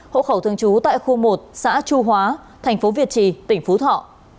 hộ khẩu thường trú tại khu một xã chu hóa thành phố việt trì tỉnh phú thọ